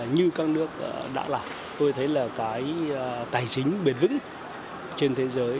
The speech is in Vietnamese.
như các nước đã làm tôi thấy là cái tài chính bền vững trên thế giới